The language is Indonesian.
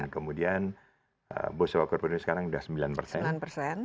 kemudian boswa kukmin sekarang sudah sembilan persen